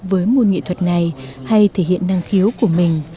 với môn nghệ thuật này hay thể hiện năng khiếu của mình